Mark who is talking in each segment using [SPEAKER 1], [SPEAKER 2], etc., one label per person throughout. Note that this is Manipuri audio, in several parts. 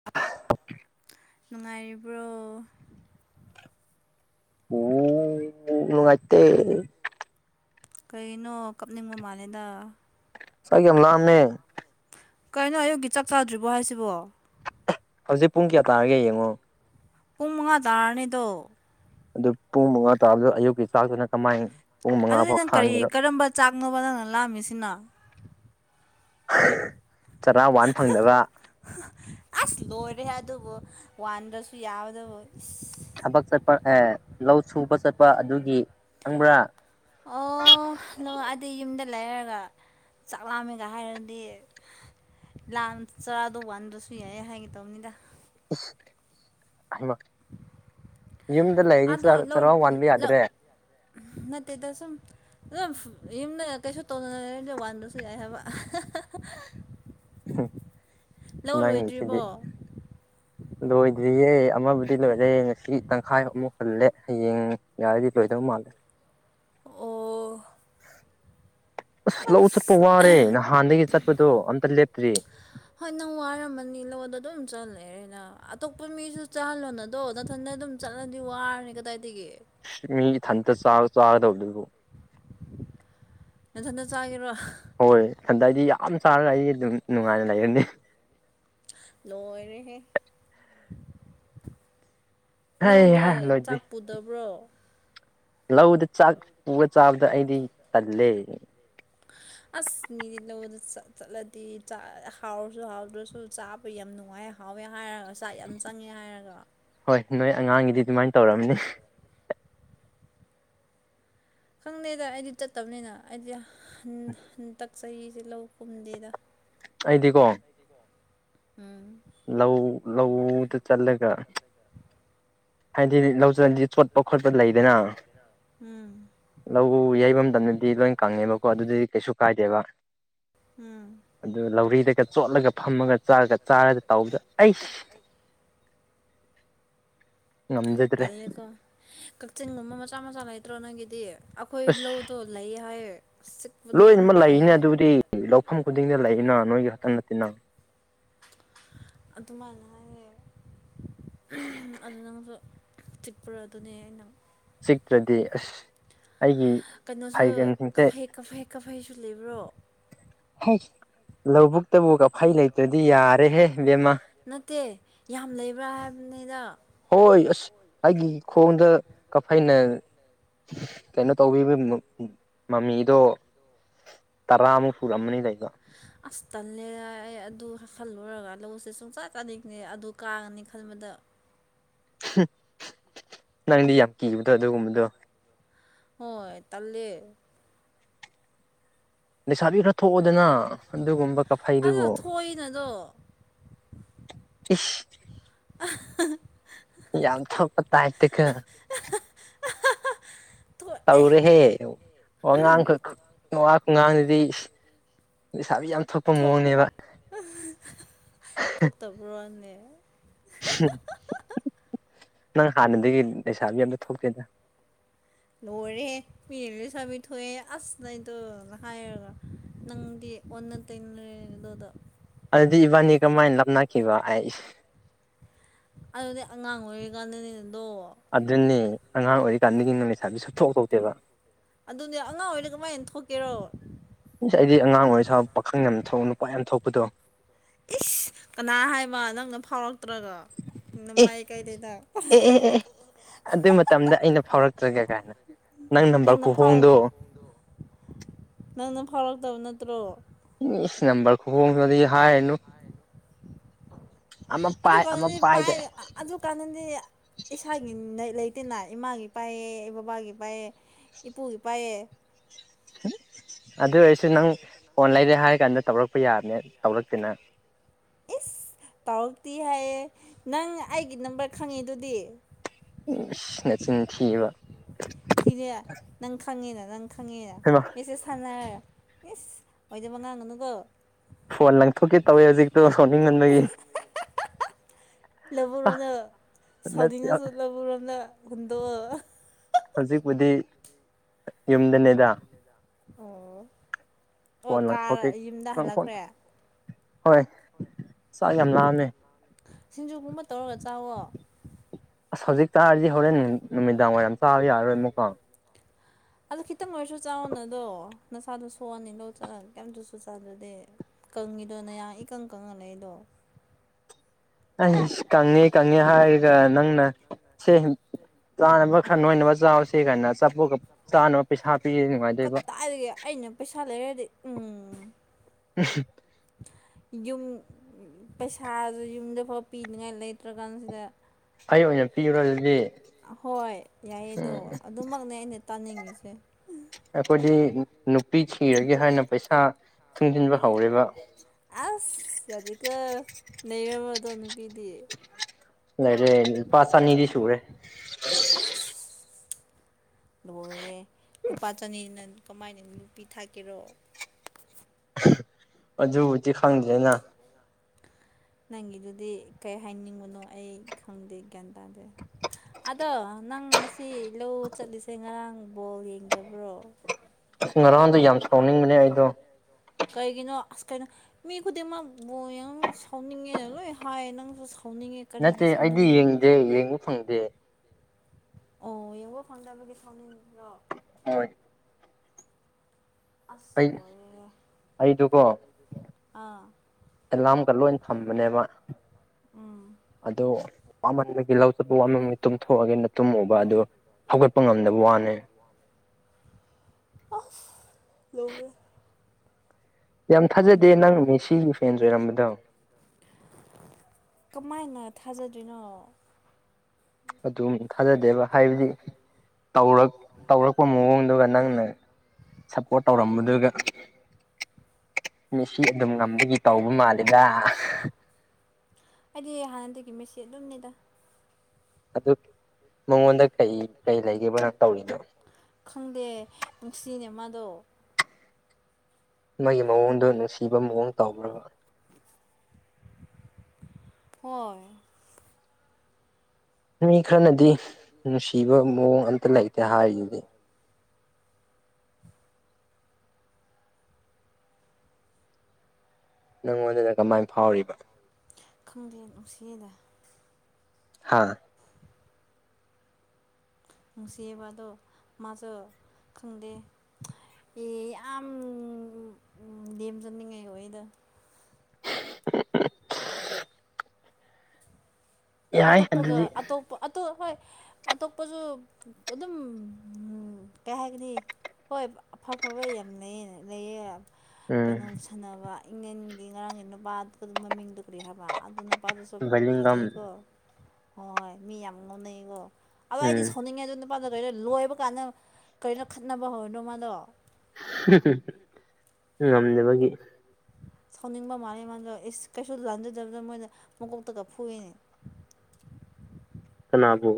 [SPEAKER 1] [inaudible]
[SPEAKER 2] ꯅꯨꯡꯉꯥꯏꯔꯤꯕ꯭ꯔꯣ
[SPEAKER 1] ꯑꯣ ꯅꯨꯡꯉꯥꯏꯇꯦ
[SPEAKER 2] ꯀꯔꯤꯅꯣ ꯀꯞꯅꯤꯡꯕ ꯃꯥꯜꯂꯦꯗ
[SPEAKER 1] ꯆꯥꯛ ꯌꯥꯝ ꯂꯥꯝꯃꯦ
[SPEAKER 2] ꯀꯔꯤꯅꯣ ꯑꯌꯨꯛꯀꯤ ꯆꯥꯛ ꯆꯥꯗ꯭ꯔꯤꯕꯣ ꯍꯥꯏꯁꯤꯕꯣ
[SPEAKER 1] ꯍꯧꯖꯤꯛ ꯄꯨꯡ ꯀꯌꯥ ꯇꯥꯔꯒꯦ ꯌꯦꯡꯉꯣ
[SPEAKER 2] ꯄꯨꯡ ꯃꯉꯥ ꯇꯥꯔꯅꯦꯗꯣ
[SPEAKER 1] ꯑꯗꯨ ꯄꯨꯡ ꯃꯉꯥ ꯇꯥꯕꯗꯣ ꯑꯌꯨꯛꯀꯤ ꯆꯥꯛꯇꯨꯅ ꯀꯃꯥꯏꯟ
[SPEAKER 2] ꯑꯗꯨꯗꯤ ꯅꯪ ꯀꯔꯤ ꯀꯔꯝꯕ ꯆꯥꯛꯅꯣꯕ ꯅꯪꯅ ꯂꯥꯝꯃꯤꯁꯤꯅ
[SPEAKER 1] ꯆꯔꯥ ꯋꯥꯟ ꯐꯪꯗꯕ
[SPEAKER 2] ꯑꯁ ꯂꯣꯏꯔꯦꯍꯦ ꯑꯗꯨꯕꯨ ꯋꯥꯟꯗ꯭ꯔꯁꯨ ꯌꯥꯕꯗꯨꯕꯨ
[SPEAKER 1] ꯊꯕꯛ ꯆꯠꯄꯁꯦ ꯂꯧ ꯁꯨꯕ ꯆꯠꯄ ꯑꯗꯨꯒꯤ ꯈꯪꯕ꯭ꯔꯥ
[SPEAKER 2] ꯑꯣ ꯅꯧꯑꯗꯤ ꯌꯨꯝꯗ ꯂꯩꯔꯒ ꯆꯥꯛ ꯂꯥꯝꯃꯦꯒ ꯍꯥꯏꯔꯗꯤ ꯂꯥꯟ ꯆꯗꯣ ꯋꯥꯟꯗ꯭ꯔꯁꯨ ꯌꯥꯌꯦ ꯍꯥꯏꯒꯦ ꯇꯧꯝꯅꯤꯗ
[SPEAKER 1] ꯏꯁ ꯍꯩꯃꯥ ꯌꯨꯝꯗ ꯂꯩꯥꯔꯗꯤ
[SPEAKER 2] ꯑꯗꯣ
[SPEAKER 1] ꯆꯥꯔ
[SPEAKER 2] ꯂꯧ
[SPEAKER 1] ꯆꯥꯔꯥ ꯋꯥꯟꯕ
[SPEAKER 2] ꯂꯧ
[SPEAKER 1] ꯌꯥꯗ꯭ꯔꯦ
[SPEAKER 2] ꯅꯠꯇꯦꯗ ꯁꯨꯝ ꯑꯗꯨꯝ ꯐꯨ ꯌꯨꯝꯗꯒ ꯀꯩꯁꯨ ꯇꯧꯗꯅ ꯂꯩꯔꯗꯤ ꯋꯥꯟꯗ꯭ꯔꯁꯨ ꯌꯥꯏ ꯍꯥꯏꯕ
[SPEAKER 1] ꯍꯨꯝ
[SPEAKER 2] ꯂꯧ
[SPEAKER 1] ꯅꯪꯒꯤꯁꯤꯗꯤ
[SPEAKER 2] ꯂꯣꯏꯗ꯭ꯔꯤꯕꯣ
[SPEAKER 1] ꯂꯣꯏꯗ꯭ꯔꯤꯌꯦ ꯑꯃꯥꯕꯨꯗꯤ ꯂꯣꯏꯔꯦ ꯉꯁꯤ ꯇꯪꯈꯥꯏ ꯑꯃꯨꯛ ꯍꯜꯂꯦ ꯍꯌꯦꯡ ꯌꯥꯔꯗꯤ ꯂꯣꯏꯗꯧ ꯃꯥꯜꯂꯦ
[SPEAKER 2] ꯑꯣ
[SPEAKER 1] ꯑꯁ ꯂꯧ ꯆꯠꯄ ꯋꯥꯔꯦ ꯅꯍꯥꯟꯗꯒꯤ ꯆꯠꯄꯗꯣ ꯑꯝꯇ ꯂꯦꯞꯇ꯭ꯔꯤ
[SPEAKER 2] ꯍꯣꯏ ꯅꯪ ꯋꯥꯔꯝꯃꯅꯤ ꯂꯣꯗ ꯑꯗꯨꯝ ꯆꯜꯂꯩꯔꯦꯅ ꯑꯇꯣꯞꯄ ꯃꯤꯁꯨ ꯆꯥꯍꯜꯂꯣꯅ ꯗꯣ ꯅꯊꯟꯗ ꯑꯗꯨꯝ ꯆꯠꯂꯗꯤ ꯋꯥꯔꯅꯤ ꯀꯗꯥꯏꯗꯒꯤ
[SPEAKER 1] ꯃꯤ ꯏꯊꯟꯇ ꯆꯥ ꯆꯥꯒꯗꯧꯗꯨꯕꯨ
[SPEAKER 2] ꯅꯊꯟꯗ ꯆꯥꯒꯦꯔꯣ
[SPEAKER 1] ꯍꯣꯏ ꯏꯊꯟꯇꯗꯤ ꯌꯥꯝ ꯆꯥꯔ ꯂꯩ ꯑꯗꯨꯝ ꯅꯨꯡꯉꯥꯏꯅ ꯂꯩꯔꯅꯤ
[SPEAKER 2] ꯂꯣꯏꯔꯦꯍꯦ
[SPEAKER 1] ꯍꯩ
[SPEAKER 2] ꯂꯧꯗ
[SPEAKER 1] ꯍꯥ ꯂꯣꯏꯗ꯭ꯔꯤ
[SPEAKER 2] ꯆꯥꯛ ꯄꯨꯗꯕ꯭ꯔꯣ
[SPEAKER 1] ꯂꯧꯗ ꯆꯥꯛ ꯄꯨꯔ ꯆꯥꯕꯗꯣ ꯑꯩꯗꯤ ꯇꯜꯂꯦ
[SPEAKER 2] ꯑꯁ ꯃꯤꯗꯤ ꯂꯧꯗ ꯆꯠ ꯆꯠꯂꯗꯤ ꯆꯥ ꯍꯥꯎꯔꯁꯨ ꯍꯥꯎꯇ꯭ꯔꯁꯨ ꯆꯥꯕ ꯌꯥꯝ ꯅꯨꯡꯉꯥꯏ ꯍꯥꯎꯋꯦ ꯍꯥꯏꯔꯒ ꯆꯥꯛ ꯌꯥꯝ ꯆꯪꯉꯦ ꯍꯥꯏꯔꯒ
[SPEAKER 1] ꯍꯣꯏ ꯅꯣꯏ ꯑꯉꯥꯡꯒꯤꯗꯤ ꯑꯗꯨꯃꯥꯏꯟ ꯇꯧꯔꯝꯅꯤ
[SPEAKER 2] ꯈꯪꯗꯦꯗ ꯑꯩꯗꯤ ꯆꯠꯇꯝꯅꯤꯅ ꯑꯩꯗꯤ ꯍꯟ ꯍꯟꯇꯛ ꯆꯍꯤꯁꯦ ꯂꯧ ꯀꯨꯝꯗꯦꯗ
[SPEAKER 1] ꯑꯩꯗꯤꯀꯣ
[SPEAKER 2] ꯎꯝ
[SPEAKER 1] ꯂꯧ ꯂꯧꯗ ꯆꯠꯂꯒ ꯍꯥꯏꯗꯤ ꯂꯧ ꯆꯠꯂꯗꯤ ꯆꯣꯠꯄ ꯈꯣꯠꯄ ꯂꯩꯗꯅ
[SPEAKER 2] ꯎꯝ
[SPEAKER 1] ꯂꯧ ꯌꯩꯕ ꯃꯇꯝꯗꯗꯤ ꯂꯣꯏ ꯀꯪꯉꯦꯕꯀꯣ ꯑꯗꯨꯗꯤ ꯀꯩꯁꯨ ꯀꯥꯏꯗꯦꯕ
[SPEAKER 2] ꯎꯝ
[SPEAKER 1] ꯑꯗꯨ ꯂꯧꯔꯤꯗꯒ ꯆꯣꯠꯂꯒ ꯐꯝꯃꯒ ꯆꯥꯛꯀꯥ ꯆꯥꯔꯒ ꯇꯥꯎꯕꯗꯨ ꯑꯩꯁ ꯉꯝꯖꯗ꯭ꯔꯦ
[SPEAKER 2] ꯇꯂꯦꯀꯣ ꯀꯛꯆꯤꯡꯒꯨꯝꯕ ꯃꯆꯥ ꯃꯆꯥ ꯂꯩꯇ꯭ꯔꯣ ꯅꯪꯒꯤꯗꯤ ꯑꯩꯈꯣꯏ
[SPEAKER 1] ꯑꯁ
[SPEAKER 2] ꯂꯧ ꯇꯣ ꯂꯩ ꯍꯥꯏꯑꯦ ꯁꯤꯛꯕꯗꯣ ꯌꯥꯝ
[SPEAKER 1] ꯂꯣꯏꯅꯃꯛ
[SPEAKER 2] ꯅꯥꯌꯦ
[SPEAKER 1] ꯂꯩꯅꯦ
[SPEAKER 2] ꯍꯥꯏꯌꯦ
[SPEAKER 1] ꯑꯗꯨꯕꯨꯗꯤ ꯂꯧꯐꯝ ꯈꯨꯗꯤꯡꯗ ꯂꯩꯅ ꯅꯣꯏꯒꯤ ꯈꯛꯇꯪ ꯅꯠꯇꯦꯅ
[SPEAKER 2] ꯑꯗꯨꯃꯥꯏꯅ ꯍꯥꯏꯌꯦ ꯑꯗꯨ ꯅꯪꯁꯨ ꯆꯤꯛꯄꯔ ꯑꯗꯨꯅꯦ ꯑꯩꯅ
[SPEAKER 1] ꯆꯤꯛꯇ꯭ꯔꯗꯤ ꯑꯁ ꯑꯩꯒꯤ
[SPEAKER 2] ꯀꯩꯅꯣꯁꯨ
[SPEAKER 1] ꯐꯥꯏꯒꯟꯁꯤꯡꯁꯦ
[SPEAKER 2] ꯀꯐꯩ ꯀꯐꯩ ꯀꯐꯩꯁꯨ ꯂꯩꯕ꯭ꯔꯣ
[SPEAKER 1] ꯍꯩ ꯂꯧꯕꯨꯛꯇꯕꯨ ꯀꯐꯩ ꯂꯩꯇ꯭ꯔꯗꯤ ꯌꯥꯔꯦꯍꯦ ꯕꯦꯝꯃ
[SPEAKER 2] ꯅꯠꯇꯦ ꯌꯥꯝ ꯂꯩꯕ꯭ꯔꯥ ꯍꯥꯏꯕꯅꯤꯗ
[SPEAKER 1] ꯍꯣꯏ ꯑꯁ ꯑꯩꯒꯤ ꯈꯣꯡꯗ ꯀꯥꯛ ꯐꯩꯅ ꯀꯩꯅꯣ ꯇꯧꯕꯤꯕ ꯃꯃꯤꯗꯣ ꯇꯔꯥꯃꯨꯛ ꯁꯨꯔꯝꯃꯅꯤ ꯂꯩꯕ
[SPEAKER 2] ꯑꯁ ꯇꯜꯂꯦ ꯑꯩ ꯑꯗꯨ ꯈꯜꯂꯨꯔꯒ ꯂꯧꯁꯦ ꯁꯨꯡꯆꯠ ꯆꯥꯅꯤꯡꯅꯦ ꯑꯗꯨ ꯀꯥꯒꯅꯤ ꯈꯟꯕꯗ
[SPEAKER 1] ꯅꯪꯗꯤ ꯌꯥꯝ ꯀꯤꯕꯗꯣ ꯑꯗꯨꯒꯨꯝꯕꯗꯣ
[SPEAKER 2] ꯍꯣꯏ ꯇꯜꯂꯦ
[SPEAKER 1] ꯂꯩꯁꯥꯕꯤ ꯈꯔ ꯊꯣꯛꯑꯣꯗꯅ ꯑꯗꯨꯒꯨꯝꯕ
[SPEAKER 2] ꯑꯗꯣ
[SPEAKER 1] ꯀꯐꯩꯗꯨꯕꯨ
[SPEAKER 2] ꯊꯣꯛꯏꯅꯗꯣ
[SPEAKER 1] ꯏꯁ ꯌꯥꯝ ꯊꯞꯄ ꯇꯥꯏꯞꯇ ꯀꯣ
[SPEAKER 2] ꯊꯣꯛꯑꯦ
[SPEAKER 1] ꯇꯧꯔꯦꯍꯦ ꯋꯥꯉꯥꯡ ꯈꯨ ꯋꯥ ꯈꯨꯉꯥꯡꯗꯨꯗꯤ ꯏꯁ ꯂꯩꯁꯥꯕꯤ ꯌꯥꯝꯊꯣꯛ
[SPEAKER 2] ꯊꯣꯛ ꯑꯍꯥꯍꯥ ꯊꯣꯛꯇꯕ꯭ꯔꯣꯅꯦ
[SPEAKER 1] ꯍꯨꯝ ꯅꯪ ꯍꯥꯟꯅꯗꯒꯤ ꯂꯩꯁꯥꯕꯤ ꯑꯝꯇ ꯊꯣꯛꯇꯦꯅꯥ
[SPEAKER 2] ꯂꯣꯏꯔꯦꯍꯦ ꯃꯤꯅ ꯂꯩꯁꯥꯕꯤ ꯊꯣꯛꯑꯦ ꯑꯁ ꯅꯪꯗꯣꯅ ꯍꯥꯏꯔꯒ ꯅꯪꯗꯤ ꯑꯣꯟꯅ ꯇꯩꯅꯔꯦꯅꯦ ꯑꯗꯨꯗꯣ
[SPEAKER 1] ꯑꯗꯨꯗꯤ ꯏꯕꯥꯟꯅꯤ ꯀꯔꯝꯃꯥꯏꯅ ꯂꯥꯞꯅꯈꯤꯕ ꯑꯩꯏꯁ
[SPEAKER 2] ꯑꯗꯨꯗꯤ ꯑꯉꯥꯡ ꯑꯣꯏꯔꯤꯀꯥꯟꯗꯅꯤꯅꯥ ꯑꯗꯣ
[SPEAKER 1] ꯑꯗꯨꯅꯦ ꯑꯉꯥꯡ ꯑꯣꯏꯔꯤꯀꯥꯟꯗꯒꯤ ꯅꯪ ꯂꯩꯁꯥꯕꯤ ꯁꯨꯡꯊꯣꯛ ꯊꯣꯛꯇꯦꯕ
[SPEAKER 2] ꯑꯗꯨꯅꯦ ꯑꯉꯥꯡ ꯑꯣꯏꯔꯤ ꯀꯃꯥꯏꯅ ꯊꯣꯛꯀꯦꯔꯣ
[SPEAKER 1] ꯏꯁ ꯑꯩꯗꯤ ꯑꯉꯥꯡ ꯑꯣꯏꯔꯁꯨ ꯄꯥꯈꯪ ꯌꯥꯝ ꯊꯣꯛ ꯅꯨꯄꯥ ꯌꯥꯝ ꯊꯣꯛꯄꯗꯣ
[SPEAKER 2] ꯏꯁ ꯀꯅꯥ ꯍꯥꯏꯕ ꯅꯪꯅ ꯐꯥꯎꯔꯛꯇ꯭ꯔꯒ
[SPEAKER 1] ꯑꯦ
[SPEAKER 2] ꯅꯃꯥꯏ ꯀꯥꯏꯗꯦꯗ
[SPEAKER 1] ꯑꯦ ꯑꯦ ꯑꯦ ꯑꯗꯨ ꯃꯇꯝꯗ ꯑꯩꯅ ꯐꯥꯎꯔꯛꯇ꯭ꯔꯒ ꯀꯥꯏꯅ ꯅꯪ ꯅꯝꯕꯔ
[SPEAKER 2] ꯅꯪꯅ ꯐꯥꯎ
[SPEAKER 1] ꯈꯨꯍꯣꯡꯗꯣ
[SPEAKER 2] ꯅꯪꯅ ꯐꯥꯎꯔꯛꯇꯕ ꯅꯠꯇ꯭ꯔꯣ
[SPEAKER 1] ꯏꯁ ꯅꯝꯕꯔ ꯈꯨꯍꯣꯡꯗꯨꯗꯤ ꯍꯥꯏꯔꯅꯨ ꯑꯃ ꯄꯥꯏ ꯑꯃ
[SPEAKER 2] ꯑꯗꯨꯀꯥꯟꯗꯗꯤ
[SPEAKER 1] ꯄꯥꯏꯗꯦ
[SPEAKER 2] ꯄꯥꯏ ꯑꯗꯨꯀꯥꯟꯗꯗꯤ ꯏꯁꯥꯒꯤ ꯅꯩ ꯂꯩꯇꯦꯅ ꯏꯃꯥꯒꯤ ꯄꯥꯏꯌꯦ ꯑꯩ ꯕꯕꯥꯒꯤ ꯄꯥꯏꯌꯦ ꯏꯄꯨꯒꯤ ꯄꯥꯏꯌꯦ
[SPEAKER 1] ꯑꯗꯨ ꯑꯣꯏꯔꯁꯨ ꯅꯪ ꯐꯣꯟ ꯂꯩꯔꯦ ꯍꯥꯏꯔ ꯀꯥꯟꯗ ꯇꯧꯔꯛꯄ ꯌꯥꯕꯅꯦ ꯇꯧꯔꯛꯇꯦꯅ
[SPEAKER 2] ꯏꯁ ꯇꯧꯔꯛꯇꯤ ꯍꯥꯏꯌꯦ ꯅꯪ ꯑꯩꯒꯤ ꯅꯝꯕꯔ ꯈꯪꯉꯤꯗꯨꯗꯤ
[SPEAKER 1] ꯏꯁ ꯅꯆꯤꯟ ꯊꯤꯕ
[SPEAKER 2] ꯊꯤꯔꯦ ꯅꯪ ꯈꯪꯉꯦꯅ ꯅꯪ ꯈꯪꯉꯦꯅ
[SPEAKER 1] ꯍꯩꯃꯥ
[SPEAKER 2] ꯃꯦꯁꯦꯁ ꯊꯥꯟꯅꯔꯒ ꯏꯁ ꯑꯣꯏꯗꯕ ꯉꯥꯡꯒꯅꯨꯀꯣ
[SPEAKER 1] ꯐꯣꯟ ꯂꯪꯊꯣꯛꯀꯦ ꯇꯧꯋꯦ ꯍꯧꯖꯤꯛꯇꯣ ꯁꯥꯎꯅꯤꯡꯃꯟꯕꯒꯤ
[SPEAKER 2] ꯂꯕꯨꯨꯛꯔꯣꯟꯗ ꯁꯥꯎꯅꯤꯡꯉꯥꯁꯨ ꯂꯕꯨꯛꯔꯣꯝꯗ ꯍꯨꯟꯗꯣꯛꯑꯣ
[SPEAKER 1] ꯍꯖꯤꯛꯄꯨꯗꯤ ꯌꯨꯝꯗꯅꯦꯗ
[SPEAKER 2] ꯑꯣ ꯑꯣ
[SPEAKER 1] ꯐꯣꯟ
[SPEAKER 2] ꯀꯥꯔ
[SPEAKER 1] ꯂꯪꯊꯣꯛꯀꯦ
[SPEAKER 2] ꯌꯨꯝꯗ
[SPEAKER 1] ꯂꯪꯊꯣꯛ
[SPEAKER 2] ꯍꯜꯂꯛꯈ꯭ꯔꯦ
[SPEAKER 1] ꯍꯣꯏ ꯆꯥꯛ ꯌꯥꯝ ꯂꯥꯝꯃꯦ
[SPEAKER 2] ꯁꯤꯡꯖꯨꯒꯨꯝꯕ ꯇꯧꯔꯒ ꯆꯥꯋꯣ
[SPEAKER 1] ꯑꯁ ꯍꯧꯖꯤꯛ ꯆꯔꯗꯤ ꯍꯣꯔꯦꯟ ꯅꯨꯃꯤꯗꯥꯡ ꯋꯥꯏꯔꯝ ꯆꯥꯕ ꯌꯥꯔꯥꯔꯣꯏ ꯑꯃꯨꯛꯀꯥ
[SPEAKER 2] ꯑꯗꯣ ꯈꯤꯠꯇꯪ ꯑꯣꯏꯔꯖꯨ ꯆꯥꯑꯣꯅ ꯑꯗꯣ ꯅꯁꯥꯗꯣ ꯁꯣꯛꯑꯅꯤ ꯂꯧ ꯆꯠꯂꯒꯥ ꯀꯦꯝꯇꯁꯨ ꯆꯥꯗ꯭ꯔꯗꯤ ꯀꯪꯉꯤꯗꯣ ꯅꯌꯥ ꯏꯀꯪ ꯀꯪꯉ ꯂꯩꯔꯤꯗꯣ
[SPEAKER 1] ꯑꯩꯁ ꯀꯪꯉꯦ ꯀꯪꯉꯦ ꯍꯥꯏꯔꯒ ꯅꯪꯅ ꯁꯦ ꯆꯥꯅꯕ ꯈꯔ ꯅꯣꯏꯅꯕ ꯆꯥꯑꯣꯁꯦ ꯀꯥꯏꯅ ꯑꯆꯄꯣꯠꯀꯥ ꯆꯥꯅꯕ ꯄꯩꯁꯥ ꯄꯤꯔꯗꯤ ꯅꯨꯡꯉꯥꯏꯗꯣꯏꯕ
[SPEAKER 2] ꯀꯗꯥꯏꯗꯒꯤ ꯑꯩꯅ ꯄꯩꯁꯥ ꯂꯩꯔꯒꯥꯗꯤ ꯎꯝ
[SPEAKER 1] ꯎꯍꯨꯝ
[SPEAKER 2] ꯌꯨꯝ ꯄꯩꯁꯥꯖꯨ ꯌꯨꯝꯗꯐꯥꯎ ꯄꯤꯅꯤꯡꯉꯥꯏ ꯂꯩꯇ꯭ꯔꯀꯥꯟꯁꯤꯗ
[SPEAKER 1] ꯑꯩ ꯑꯣꯏꯅ ꯄꯤꯕ꯭ꯔꯥ ꯑꯗꯨꯗꯤ
[SPEAKER 2] ꯍꯣꯏ ꯌꯥꯏꯌꯦ ꯗꯣ
[SPEAKER 1] ꯎꯝ
[SPEAKER 2] ꯑꯗꯨꯃꯛꯅꯦ ꯑꯩꯅ ꯇꯥꯅꯤꯡꯉꯤꯁꯦ
[SPEAKER 1] ꯑꯩꯈꯣꯏꯗꯤ ꯅꯨꯄꯤ ꯊꯤꯔꯒꯦ ꯍꯥꯏꯅ ꯄꯩꯁꯥ ꯇꯨꯡꯖꯤꯟꯕ ꯍꯧꯔꯦꯕ
[SPEAKER 2] ꯑꯁ ꯌꯥꯗꯦꯀꯣ ꯂꯩꯔꯝꯃꯥꯇ꯭ꯔꯣ ꯅꯨꯄꯤꯗꯤ
[SPEAKER 1] ꯂꯩꯔꯦ ꯂꯨꯄꯥ ꯆꯅꯤꯗꯤ ꯁꯨꯔꯦ
[SPEAKER 2] ꯑꯁ ꯂꯣꯏꯔꯦ ꯂꯨꯄꯥ ꯆꯅꯤꯅ ꯀꯃꯥꯢꯅ ꯅꯨꯄꯤ ꯊꯥꯛꯀꯦꯔꯣ
[SPEAKER 1] ꯑꯗꯨꯕꯨꯗꯤ ꯈꯪꯗ꯭ꯔꯦꯅ
[SPEAKER 2] ꯅꯪꯒꯤꯗꯨꯗꯤ ꯀꯩ ꯍꯥꯏꯅꯤꯡꯕꯅꯣ ꯑꯩ ꯈꯪꯗꯦ ꯒ꯭ꯌꯥꯟ ꯇꯥꯗ꯭ꯔꯦ ꯑꯗꯣ ꯅꯪ ꯉꯁꯤ ꯂꯧ ꯆꯠꯂꯤꯁꯦ ꯉꯔꯥꯡ ꯕꯣꯜ ꯌꯦꯡꯗꯕ꯭ꯔꯣ
[SPEAKER 1] ꯑꯁ ꯉꯔꯥꯡꯗꯣ ꯌꯥꯝ ꯁꯥꯎꯅꯤꯡꯕꯅꯦ ꯑꯩꯗꯣ
[SPEAKER 2] ꯀꯩꯒꯤꯅꯣ ꯑꯁ ꯀꯩꯅꯣ ꯃꯤ ꯈꯨꯗꯤꯡꯃꯛ ꯕꯣꯜ ꯌꯦꯡꯉ ꯁꯥꯎꯅꯤꯡꯉꯦꯅ ꯂꯣꯢ ꯍꯥꯢ ꯅꯪꯁꯨ ꯁꯥꯎꯅꯤꯡꯉꯦ ꯀꯔꯤꯒꯤ
[SPEAKER 1] ꯅꯠꯇꯦ ꯑꯩꯗꯤ
[SPEAKER 2] ꯁꯥꯎꯅꯤꯡꯕꯅꯣ
[SPEAKER 1] ꯌꯦꯡꯗꯦ ꯌꯦꯡꯕ ꯐꯪꯗꯦ
[SPEAKER 2] ꯑꯣ ꯌꯦꯡꯕ ꯐꯪꯗꯕꯒꯤ ꯁꯥꯎꯅꯤꯡꯉꯤꯔꯣ
[SPEAKER 1] ꯍꯣꯢ
[SPEAKER 2] ꯑꯁ
[SPEAKER 1] ꯑꯩ
[SPEAKER 2] ꯂꯣꯏꯔꯦꯍꯦ
[SPEAKER 1] ꯑꯩꯗꯨꯀꯣ
[SPEAKER 2] ꯑꯥ
[SPEAKER 1] ꯑꯦꯂꯥꯝꯒ ꯂꯣꯢ ꯊꯝꯕꯅꯦꯕ
[SPEAKER 2] ꯎꯝ
[SPEAKER 1] ꯑꯗꯣ ꯋꯥꯃꯟꯕꯒꯤ ꯂꯧ ꯆꯠꯄ ꯋꯥꯃꯟꯕꯩ ꯇꯨꯝꯊꯣꯛꯑꯒꯦꯅ ꯇꯨꯝꯃꯨꯕ ꯑꯗꯣ ꯍꯧꯒꯠꯄ ꯉꯝꯗꯕ ꯋꯥꯅꯦ
[SPEAKER 2] ꯑꯁ ꯂꯣꯢꯔꯦ
[SPEAKER 1] ꯌꯥꯝ ꯊꯥꯖꯗꯦ ꯅꯪ ꯃꯦꯁꯤꯒꯤ ꯐꯦꯟꯁ ꯑꯣꯢꯔꯝꯕꯗꯣ
[SPEAKER 2] ꯀꯃꯥꯢꯅ ꯊꯥꯖꯗ꯭ꯔꯤꯅꯣ
[SPEAKER 1] ꯑꯗꯨꯝ ꯈꯥꯖꯗꯦꯕ ꯍꯥꯢꯕꯗꯤ ꯇꯧꯔꯛ ꯇꯧꯔꯛꯄ ꯃꯑꯣꯡꯗꯨꯒ ꯅꯪꯅ ꯁꯞꯄꯣꯔꯠ ꯇꯧꯔꯝꯕꯗꯨꯒ ꯃꯦꯁꯤ ꯑꯗꯨꯝ ꯉꯝꯕꯒꯤ ꯇꯧꯕ ꯃꯥꯜꯂꯦꯗ
[SPEAKER 2] ꯑꯩꯗꯤ ꯍꯥꯟꯅꯗꯒꯤ ꯃꯦꯁꯤ ꯑꯗꯨꯝꯅꯤꯗ
[SPEAKER 1] ꯑꯗꯨ ꯃꯉꯣꯟꯗ ꯀꯩ ꯀꯩ ꯂꯩꯒꯦꯕ ꯅꯪ ꯇꯧꯔꯤꯗꯣ
[SPEAKER 2] ꯈꯪꯗꯦ ꯅꯨꯡꯁꯤꯅꯦ ꯃꯥꯗꯣ
[SPEAKER 1] ꯃꯥꯒꯤ ꯃꯑꯣꯡꯗꯣ ꯅꯨꯡꯁꯤꯕ ꯃꯑꯣꯡ ꯇꯧꯕ꯭ꯔꯕ
[SPEAKER 2] ꯍꯣꯢ
[SPEAKER 1] ꯃꯤ ꯈꯔꯅꯗꯤ ꯅꯨꯡꯁꯤꯕ ꯃꯑꯣꯡ ꯑꯝꯇ ꯂꯩꯇꯦ ꯍꯥꯢꯔꯤꯗꯨꯗꯤ ꯅꯪꯉꯣꯟꯗꯅ ꯀꯃꯥꯢ ꯐꯥꯎꯔꯤꯕ
[SPEAKER 2] ꯈꯪꯗꯦ ꯅꯨꯡꯁꯤꯌꯦꯗ
[SPEAKER 1] ꯍꯥꯥ
[SPEAKER 2] ꯅꯨꯡꯁꯤꯌꯦꯕ ꯑꯗꯣ ꯃꯥꯁꯣ ꯈꯪꯗꯦ ꯑꯦ ꯌꯥꯝ ꯂꯦꯝꯖꯅꯤꯡꯉꯥꯢ ꯑꯣꯢꯗ
[SPEAKER 1] ꯌꯥꯏ
[SPEAKER 2] ꯑꯇꯣꯞꯄꯒ
[SPEAKER 1] ꯑꯗꯨꯗꯤ
[SPEAKER 2] ꯑꯇꯣꯞꯄ ꯑꯗꯨ ꯍꯣꯢ ꯑꯇꯣꯞꯄꯖꯨ ꯑꯗꯨꯝ ꯎꯝ ꯀꯩ ꯍꯥꯢꯒꯅꯤ ꯍꯣꯢ ꯑꯐ ꯐꯕ ꯌꯥꯝ ꯂꯩꯌꯦꯅ ꯂꯩꯌꯦ
[SPEAKER 1] ꯎꯝ
[SPEAKER 2] ꯀꯩꯅꯣꯝ ꯁꯥꯟꯅꯕ ꯏꯪꯂꯦꯟꯒꯤ ꯉꯔꯥꯡꯒꯤ ꯅꯨꯄꯥ ꯑꯗꯨ ꯃꯃꯤꯡꯗꯨ ꯀꯔꯤ ꯍꯥꯢꯕ ꯑꯗꯨꯅ ꯄꯥꯗꯨꯁꯨ
[SPEAKER 1] ꯕꯂꯤꯡꯒꯝ
[SPEAKER 2] ꯐꯖꯩꯀꯣ ꯍꯣꯢ ꯃꯤ ꯌꯥꯝ ꯉꯧꯅꯩꯀꯣ ꯑꯗꯣ ꯑꯩꯗꯤ
[SPEAKER 1] ꯎꯝ
[SPEAKER 2] ꯁꯥꯎꯅꯤꯡꯉꯦ ꯑꯗꯨ ꯅꯨꯞ ꯄꯥꯗ ꯂꯩꯔꯦ ꯂꯣꯢꯕ ꯀꯥꯟꯗ ꯀꯔꯤꯅꯣ ꯈꯠꯅꯕ ꯍꯧꯔꯤꯗꯣ ꯃꯥꯗꯣ
[SPEAKER 1] ꯍꯒ ꯍ ꯉꯝꯗꯕꯒꯤ
[SPEAKER 2] ꯁꯥꯎꯅꯤꯡꯕ ꯃꯥꯜꯂꯦ ꯃꯥꯗꯣ ꯏꯁ ꯀꯩꯁꯨ ꯂꯥꯟꯖꯗꯕꯗꯣ ꯃꯣꯢꯅ ꯃꯀꯣꯛꯇꯒ ꯐꯨꯢꯌꯦꯅꯦ
[SPEAKER 1] ꯀꯅꯥꯕꯨ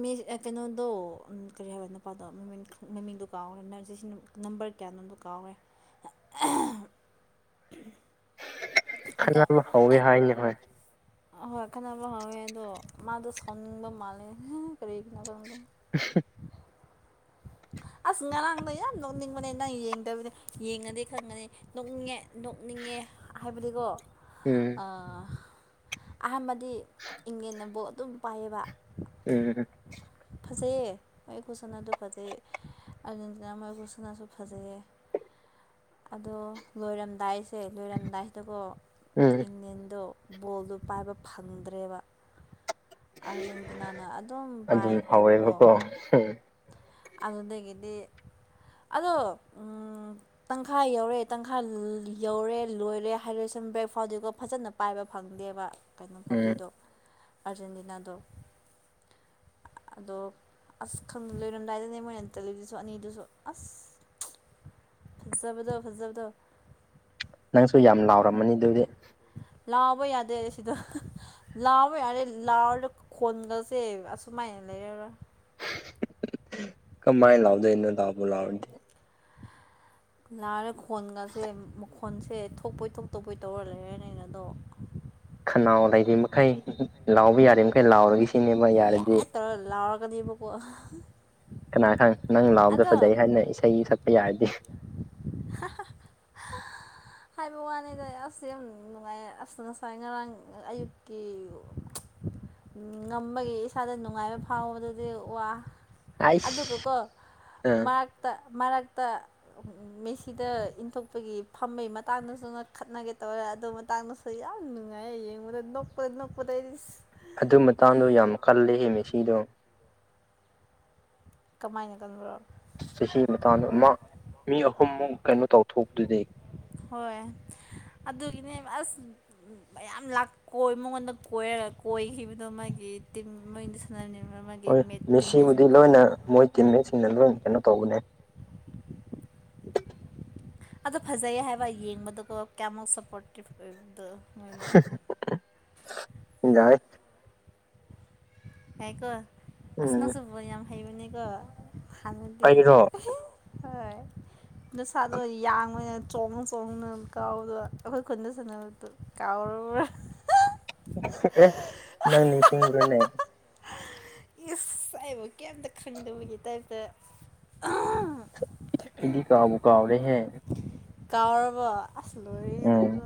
[SPEAKER 2] ꯃꯤ ꯀꯩꯅꯣꯗꯣ ꯑꯝ ꯀꯔꯤ ꯍꯥꯢꯕ ꯅꯨꯄꯥꯗꯣ ꯃꯃꯤꯡ ꯃꯃꯤꯡꯗꯣ ꯀꯥꯎꯔꯦ ꯅ꯭ꯔꯖꯤꯁꯤꯡ ꯅꯝꯕꯔ ꯀꯌꯥꯅꯣꯗꯣ ꯀꯥꯎꯒ꯭ꯔꯦ
[SPEAKER 1] ꯈꯠꯅꯕ ꯍꯧꯋꯦ ꯍꯥꯏꯅꯦ ꯍꯣꯏ
[SPEAKER 2] ꯑꯍꯣꯏ ꯈꯠꯅꯕ ꯍꯧꯋꯦ ꯑꯗꯣ ꯃꯥꯗꯣ ꯁꯥꯎꯅꯤꯡꯕ ꯃꯥꯜꯂꯦ ꯀꯔꯤꯒꯤꯅꯣ ꯈꯪꯗꯦ
[SPEAKER 1] [unintelligible]
[SPEAKER 2] ꯑꯁ ꯉꯔꯥꯡꯗꯣ ꯌꯥꯝ ꯅꯣꯛꯅꯤꯡꯕꯅꯦ ꯅꯪ ꯌꯦꯡꯗꯕꯅꯦ ꯌꯦꯡꯉꯗꯤ ꯈꯪꯒꯅꯤ ꯅꯣꯛꯅꯤꯡꯉꯦ ꯅꯣꯛꯅꯤꯡꯉꯦ ꯍꯥꯏꯕꯗꯤꯀꯣ
[SPEAKER 1] ꯎꯝ
[SPEAKER 2] ꯑ ꯑꯍꯥꯟꯕꯗꯤ ꯏꯪꯂꯦꯅ ꯕꯣꯜ ꯑꯗꯨꯝ ꯄꯥꯏꯌꯦꯕ
[SPEAKER 1] ꯎꯝ
[SPEAKER 2] ꯐꯖꯩꯌꯦ ꯑꯩ ꯈꯨꯁꯥꯅꯥꯗꯨ ꯐꯖꯩꯌꯦ ꯑꯔꯖꯦꯟꯇꯤꯅꯥ ꯃꯔꯐꯨ ꯈꯨꯁꯥꯅꯥꯁꯨ ꯐꯖꯩꯌꯦ ꯑꯗꯣ ꯂꯣꯏꯔꯝꯗꯥꯏꯁꯦ ꯂꯣꯏꯔꯝꯗꯥꯏꯁꯤꯗꯀꯣ
[SPEAKER 1] ꯎꯝ
[SPEAKER 2] ꯏꯪꯂꯦꯟꯗꯣ ꯕꯣꯜꯗꯣ ꯄꯥꯏꯕ ꯐꯪꯗ꯭ꯔꯦꯕ ꯑꯥꯔꯖꯦꯟꯇꯤꯅꯥꯅ ꯑꯗꯨꯝ
[SPEAKER 1] ꯑꯗꯨꯝ
[SPEAKER 2] ꯄꯥꯏꯈ꯭ꯔꯦꯕꯀꯣ
[SPEAKER 1] ꯍꯧꯋꯦꯕꯀꯣ ꯎꯝ
[SPEAKER 2] ꯑꯗꯨꯗꯒꯤꯗꯤ ꯑꯗꯣ ꯎꯝ ꯇꯪꯈꯥꯏ ꯌꯧꯔꯦ ꯇꯪꯈꯥꯏ ꯌꯧꯔꯦ ꯂꯣꯏꯔꯦ ꯍꯥꯏꯔ ꯁꯝ ꯕ꯭ꯔꯦꯛ ꯐꯥꯎꯗꯤꯀꯣ ꯐꯖꯅ ꯄꯥꯏꯕ ꯐꯪꯗꯦꯕ ꯀꯩꯅꯣ
[SPEAKER 1] ꯎꯝ
[SPEAKER 2] ꯄꯥꯔꯇꯤꯗꯣ ꯑꯥꯔꯖꯦꯟꯇꯤꯅꯥꯗꯣ ꯑꯗꯣ ꯑꯁ ꯈꯪ ꯂꯣꯏꯔꯝꯗꯥꯏꯗꯅꯦ ꯃꯣꯏꯅ ꯆꯜꯂꯤꯗꯨꯁꯨ ꯑꯅꯤꯗꯨꯁꯨ ꯑꯁ ꯐꯖꯕꯗꯣ ꯐꯖꯕꯗꯣ
[SPEAKER 1] ꯅꯪꯁꯨ ꯌꯥꯝ ꯂꯥꯎꯔꯝꯃꯅꯤ ꯗꯨꯗꯤ
[SPEAKER 2] ꯂꯥꯎꯕ ꯌꯥꯗꯦ ꯁꯤꯗ ꯂꯥꯎꯕ ꯌꯥꯔꯦ ꯂꯥꯎ ꯈꯣꯟꯒꯁꯦ ꯑꯁꯨꯃꯥꯏꯅ ꯂꯩꯔꯔꯣꯏ
[SPEAKER 1] ꯀꯃꯥꯏ ꯂꯥꯎꯗꯨꯏꯅꯣ ꯂꯥꯎꯕꯨ ꯂꯥꯎꯔꯗꯤ
[SPEAKER 2] [unintelligible] ꯂꯔꯦ ꯈꯣꯟꯒꯁꯦ ꯃꯈꯣꯟꯁꯦ ꯊꯣꯛꯄꯣꯏ ꯊꯣꯛ ꯇꯕꯣꯏ ꯇꯧꯔ ꯂꯩꯔꯅꯤꯅ ꯑꯗꯣ
[SPEAKER 1] ꯈꯅꯥꯎ ꯂꯩꯔꯤ ꯃꯈꯩ ꯂꯥꯎꯕ ꯌꯥꯔꯤ ꯃꯈꯩ ꯂꯥꯎꯔꯒꯦ ꯁꯤ
[SPEAKER 2] ꯌꯦ ꯇꯧꯔ ꯂꯥꯎꯔꯛꯒꯅꯤꯕꯀꯣ
[SPEAKER 1] ꯀꯅꯥ ꯈꯪ ꯅꯪ ꯂꯥꯎꯕꯗꯣ ꯐꯖꯩ ꯍꯥꯏꯅ ꯏꯁꯩ ꯁꯛꯄ ꯌꯥꯔꯗꯤ
[SPEAKER 2] [unintelligible] ꯍꯥꯏꯕ ꯋꯥꯅꯤꯗ ꯑꯁ ꯌꯥꯝ ꯅꯨꯡꯉꯥꯏꯑ ꯑꯁ ꯉꯁꯥꯏ ꯉꯔꯥꯡ ꯑꯌꯨꯛꯀꯤ ꯉꯝꯕꯒꯤ ꯏꯁꯥꯗ ꯅꯨꯡꯉꯥꯏꯕ ꯐꯥꯎꯕꯗꯨꯗꯤ ꯋꯥ
[SPEAKER 1] ꯑꯩꯁ
[SPEAKER 2] ꯑꯗꯨꯒꯀꯣ
[SPEAKER 1] ꯑꯥ
[SPEAKER 2] ꯃꯔꯛꯇ ꯃꯔꯛꯇ ꯃꯦꯁꯤ ꯁꯤꯗ ꯏꯟꯊꯣꯛꯄꯒꯤ ꯐꯝꯕꯩ ꯃꯇꯥꯡꯗꯁꯨꯅ ꯈꯠꯅꯒꯦ ꯇꯧꯔꯦ ꯑꯗꯨ ꯃꯇꯥꯡꯗꯁꯨ ꯌꯥꯝ ꯅꯨꯡꯉꯥꯏꯌꯦ ꯌꯦꯡꯕꯗ ꯅꯣꯛꯄꯗ ꯅꯣꯛꯄꯗ ꯅꯩꯗꯤ ꯁꯤ
[SPEAKER 1] ꯑꯗꯨ ꯃꯇꯥꯡꯗꯣ ꯌꯥꯝ ꯀꯜꯂꯦꯍꯦ ꯃꯦꯁꯤꯗꯣ
[SPEAKER 2] ꯀꯃꯥꯏꯅ ꯀꯜꯕ꯭ꯔꯣ
[SPEAKER 1] ꯆꯍꯤ ꯃꯇꯥꯡꯗꯣ ꯃꯥ ꯃꯤ ꯑꯍꯨꯝꯃꯨꯛ ꯀꯩꯅꯣ ꯇꯧꯊꯣꯛꯄꯗꯨꯗꯤ
[SPEAKER 2] ꯍꯣꯏ ꯑꯗꯨꯒꯤꯅꯦ ꯑꯁ ꯃꯌꯥꯝ ꯂꯥꯛ ꯀꯣꯏ ꯃꯉꯣꯟꯗ ꯀꯣꯏꯔꯒ ꯀꯣꯏꯈꯤꯕꯗꯣ ꯃꯥꯒꯤ ꯇꯤꯝ ꯃꯩꯗ ꯁꯥ [unintelligible] ꯃꯥꯒꯤ
[SPEAKER 1] ꯍꯣꯏ
[SPEAKER 2] ꯃꯦꯠ ꯇꯤꯝꯃꯦꯠ
[SPEAKER 1] ꯃꯦꯁꯤꯕꯨꯗꯤ
[SPEAKER 2] ꯁꯤꯡꯗꯨ
[SPEAKER 1] ꯂꯣꯏꯅ ꯃꯣꯏ ꯇꯤꯝꯃꯦꯠꯁꯤꯡꯅ ꯂꯣꯏ ꯀꯩꯅꯣ ꯇꯧꯕꯅꯦ
[SPEAKER 2] ꯑꯗꯣ ꯐꯖꯩ ꯍꯥꯏꯕ ꯌꯦꯡꯕꯗꯀꯣ ꯀꯌꯥꯃꯨꯛ ꯁꯞꯄꯣꯔꯇꯤꯞ ꯑꯣꯏꯕꯗꯣ ꯃꯣꯏꯅ
[SPEAKER 1] ꯌꯥꯏ
[SPEAKER 2] ꯍꯦ ꯀꯣ ꯑꯁ
[SPEAKER 1] ꯎꯝ
[SPEAKER 2] ꯅꯪꯁꯨ ꯕꯣꯜ ꯌꯥꯝ ꯍꯥꯏꯕꯅꯤ ꯀꯣ ꯍꯥꯟꯅꯗꯤ
[SPEAKER 1] ꯑꯩꯔꯣ
[SPEAKER 2] ꯍꯣꯏ ꯅꯁꯥꯗꯨ ꯌꯥꯡꯕꯅꯤꯅ ꯆꯣꯡꯉ ꯈꯣꯡꯅ ꯀꯥꯎꯕꯗ ꯑꯈꯣꯏ ꯈꯨꯟꯗ ꯁꯥꯟꯅꯕꯗ ꯀꯥꯎꯔꯕꯔ
[SPEAKER 1] ꯁꯤꯀ꯭ꯔꯦꯠ ꯅꯪ ꯅꯤꯁꯤꯡꯕ꯭ꯔꯅꯦ
[SPEAKER 2] ꯏꯁ ꯑꯩꯕꯨ ꯀꯩꯝꯇ ꯈꯪꯗꯕꯒꯤ ꯇꯥꯏꯞꯇ
[SPEAKER 1] ꯏꯗꯤ ꯀꯥꯎꯕꯨ ꯀꯥꯥꯎꯔꯦ ꯍꯦ
[SPEAKER 2] ꯀꯥꯎꯔꯕꯣ ꯑꯁ ꯂꯣꯏꯔꯦꯍꯦ
[SPEAKER 1] ꯎꯝ
[SPEAKER 2] ꯅꯪꯖꯨ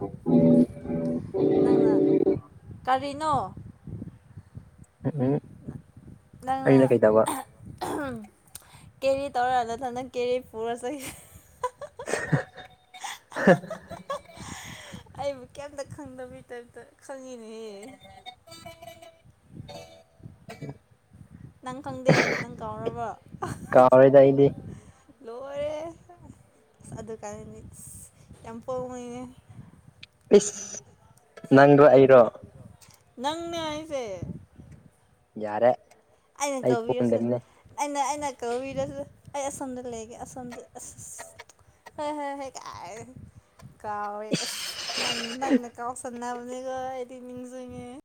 [SPEAKER 2] ꯅꯪꯅ ꯀꯔꯤꯅꯣ
[SPEAKER 1] ꯎꯍꯨꯝ
[SPEAKER 2] ꯅꯪꯅ ꯀꯦꯔꯤ ꯇꯧꯔ ꯅꯊꯟꯗ ꯀꯦꯔꯤ ꯄꯨꯔ ꯆꯠ
[SPEAKER 1] [unintelligible]
[SPEAKER 2] ꯑꯩꯕꯨ ꯀꯩꯝꯇ ꯈꯪꯗꯕꯩ ꯇꯥꯏꯞꯇ ꯈꯪꯉꯤꯅꯦ
[SPEAKER 1] [inaudible]
[SPEAKER 2] ꯅꯪ ꯈꯪꯗꯦ ꯅꯪ ꯀꯥꯎꯔꯕꯣ
[SPEAKER 1] ꯀꯥꯎꯔꯦꯗ ꯑꯩꯗꯤ
[SPEAKER 2] ꯂꯣꯏꯔꯦꯍꯦ ꯑꯁ ꯑꯗꯨꯀꯥꯟꯗꯗꯤ ꯏꯁ ꯌꯥꯝ ꯄꯣꯡꯕꯅꯤꯍꯦ
[SPEAKER 1] ꯏꯁ ꯅꯪꯔꯣ ꯑꯩꯔꯣ
[SPEAKER 2] ꯅꯪꯅꯦ ꯍꯥꯏꯁꯦ
[SPEAKER 1] ꯌꯥꯔꯦ
[SPEAKER 2] ꯑꯩꯅ
[SPEAKER 1] ꯑꯩ
[SPEAKER 2] ꯀꯧꯕꯤꯔꯁꯨ
[SPEAKER 1] ꯄꯣꯟꯗꯕꯅꯦ
[SPEAKER 2] ꯑꯩꯅ ꯑꯩꯅ ꯀꯩꯕꯤꯁꯨ ꯑꯩ ꯑꯁꯣꯝꯗ ꯂꯩꯒꯦ ꯑꯁꯣꯝꯗ ꯑꯁ ꯑꯁ ꯍꯣ ꯍꯣ ꯍꯣꯏ ꯀꯥꯏꯅ ꯀꯥꯎꯋꯦ ꯑꯁ
[SPEAKER 1] ꯏꯁ
[SPEAKER 2] ꯅꯪ ꯅꯪꯅ ꯀꯥꯎꯁꯟꯅꯕꯅꯤꯀꯣ ꯑꯩꯗꯤ ꯅꯤꯡꯖꯤꯡꯉꯦ